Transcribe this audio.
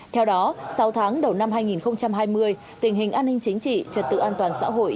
theo đó sáu tháng đầu năm hai nghìn hai mươi tình hình an ninh chính trị trật tự an toàn xã hội